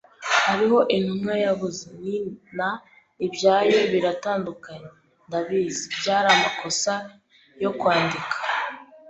Hariho intumwa yabuze. "Ni na" ibyayo "biratandukanye." - Ndabizi. Byari amakosa yo kwandika.